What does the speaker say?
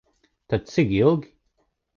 Tad cik ilgi?